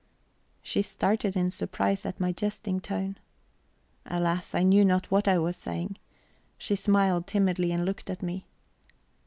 She started in surprise at my jesting tone. Alas, I knew not what I was saying. She smiled timidly, and looked at me.